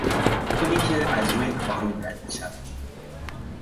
پلی که از روی کارون رد میشود